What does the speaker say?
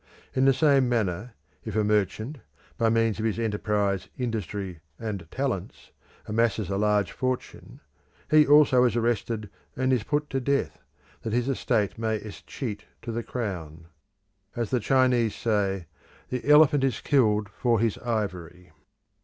In the same manner, if a merchant, by means of his enterprise, industry, and talents, amasses a large fortune; he also is arrested and is put to death, that his estate may escheat to the Crown. As the Chinese say, "The elephant is killed for his ivory."